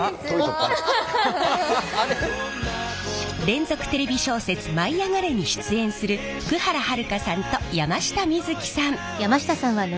連続テレビ小説「舞いあがれ！」に出演する福原遥さんと山下美月さん。